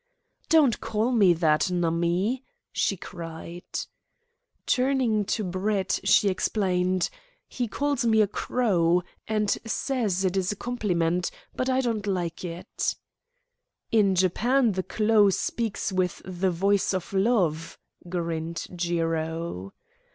"Don't call me that, Nummie!" she cried. Turning to Brett she explained: "He calls me a crow, and says it is a compliment, but I don't like it." "In Japan the clow speaks with the voice of love," grinned Jiro.